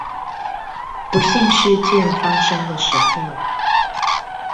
不幸事件發生的時候